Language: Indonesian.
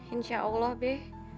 insya allah be